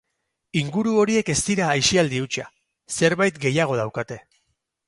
Inguru horiek ez dira aisialdi hutsa, zerbait gehiago daukate.